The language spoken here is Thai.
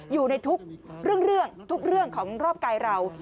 อยู่ในทุกเรื่องของรอบกายเรา